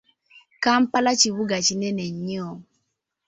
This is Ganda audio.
Kampala kibuga kinene nnyo.